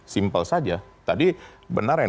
simpel saja tadi benar yang